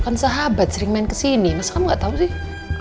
kan sahabat sering main kesini masa kamu gak tau sih